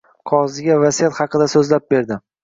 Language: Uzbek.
Qoziga vasiyat haqida soʻzlab berdi.